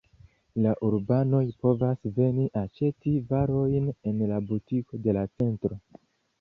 La urbanoj povas veni aĉeti varojn en la butiko de la centro.